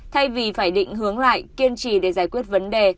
thay vì phải định hướng lại kiên trì để giải quyết vấn đề